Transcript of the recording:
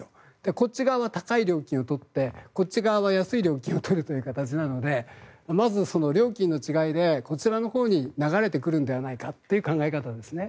こっち側は高い料金を取ってこっち側は安い料金を取るということなのでまず、料金の違いでこちらのほうに流れてくるのではないかという考え方ですね。